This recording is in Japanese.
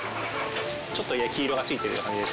ちょっと焼き色がついてるような感じですね。